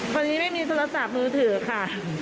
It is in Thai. คนนี้ไม่มีโทรศัพท์มือถือค่ะ